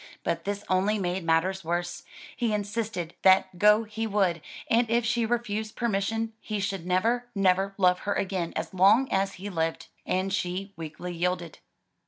But this only made matters worse: he insisted that go he would, and if she refused permission he should never, never love her again as long as he lived. And she weakly yielded.